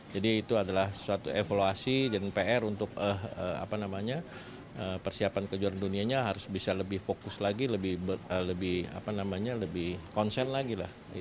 jadi itu adalah suatu evaluasi dan pr untuk persiapan kejuaraan dunianya harus bisa lebih fokus lagi lebih konsen lagi